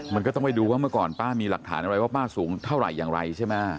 มันก็ต้องไปดูว่าเมื่อก่อนป้ามีหลักฐานอะไรว่าป้าสูงเท่าไหร่อย่างไรใช่ไหม